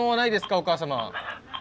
お母様。